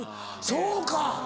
そうか。